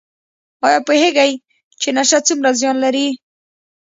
ایا پوهیږئ چې نشه څومره زیان لري؟